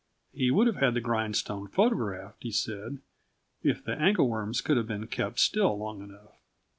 He would have had the grindstone photographed, he said, if the angle worms could have been kept still long enough.